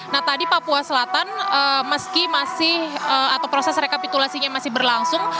nah tadi papua selatan meski masih atau proses rekapitulasinya masih berlangsung